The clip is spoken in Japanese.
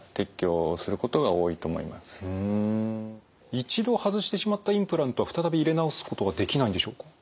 一度外してしまったインプラントは再び入れ直すってことはできないんでしょうか？